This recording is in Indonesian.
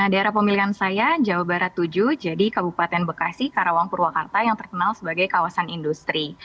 daerah pemilihan saya jawa barat tujuh jadi kabupaten bekasi karawang purwakarta yang terkenal sebagai kawasan industri